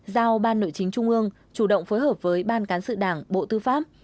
giao ban nội chính trung ương chủ động phối hợp với ban cán sự đảng bộ tư pháp